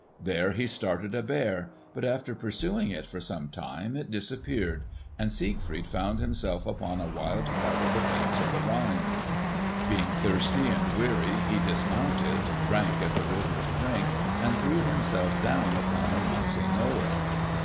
There he started a bear, but after pursuing it for some time it disappeared, and Siegfried found himself upon a wild part of the banks of the Rhine. Being thirsty and weary he dismounted, drank at the river's brink and threw himself down upon a mossy knoll.